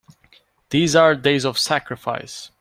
These are days of sacrifice!